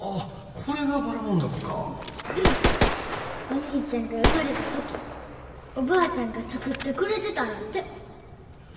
お兄ちゃんが生まれた時おばあちゃんが作ってくれてたんやて。